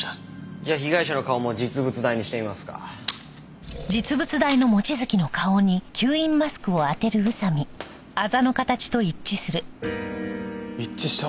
じゃあ被害者の顔も実物大にしてみますか。一致した。